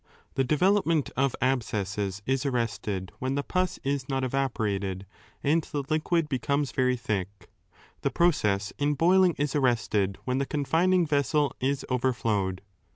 The development of abscesses is arrested when the pus is not evaporated and the liquid becomes very thick; the process in boiling is arrested 480 « when the confining vessel is overflowed.